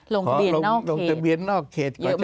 ลงเจ้อเบียนนอกเขต